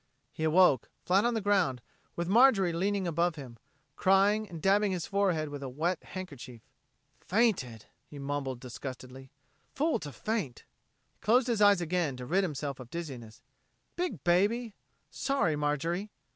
He awoke, flat on the ground, with Marjorie leaning above him, crying and dabbing his forehead with a wet handkerchief. "Fainted!" he mumbled disgustedly. "Fool to faint!" He closed his eyes again to rid himself of dizziness. "Big baby! Sorry, Marjorie."